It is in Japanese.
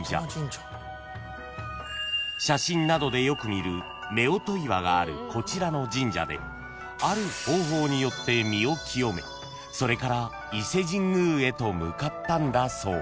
［写真などでよく見る夫婦岩があるこちらの神社である方法によって身を清めそれから伊勢神宮へと向かったんだそう］